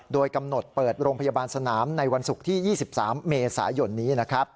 โดยกำหนดเปิดโรงพยาบาลสนามในวันศุกร์ที่๒๓เมษายนนี้